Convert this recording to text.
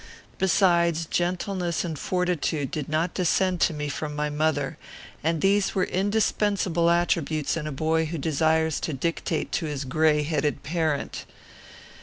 Besides, gentleness and fortitude did not descend to me from my mother, and these were indispensable attributes in a boy who desires to dictate to his gray headed parent.